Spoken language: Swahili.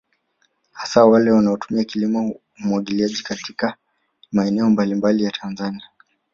Hasa wale wanaotumia kilimo cha umwagiliaji katika maeneo mbalimbali ya Tanzania